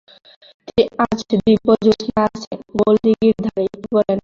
আজ দিব্য জ্যোৎস্না আছে, গোলদিঘির ধারে– কী বলেন?